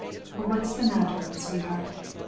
*•* What's the matter, sweetheart ?